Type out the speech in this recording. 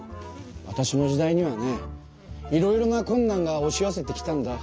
わたしの時代にはねいろいろなこんなんがおし寄せてきたんだ。